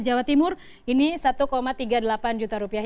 jawa timur ini satu tiga puluh delapan juta rupiah